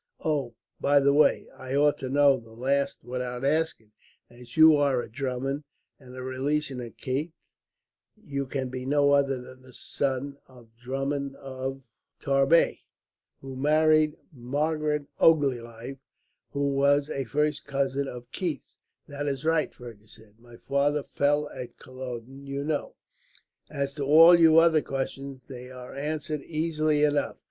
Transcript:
Oh, by the way, I ought to know the last without asking; as you are a Drummond, and a relation of Keith, you can be no other than the son of the Drummond of Tarbet, who married Margaret Ogilvie, who was a first cousin of Keith's." "That is right," Fergus said. "My father fell at Culloden, you know. As to all your other questions, they are answered easily enough.